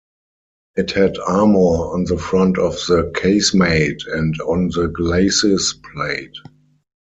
It had armor on the front of the casemate and on the glacis plate.